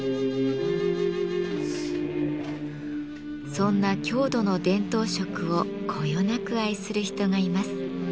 そんな郷土の伝統食をこよなく愛する人がいます。